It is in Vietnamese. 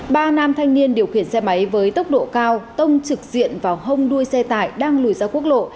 ba nam thanh niên điều khiển xe máy với tốc độ cao tông trực diện vào hông đuôi xe tải đang lùi ra quốc lộ